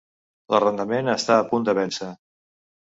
L'arrendament està a punt de vèncer.